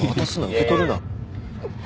受け取るな。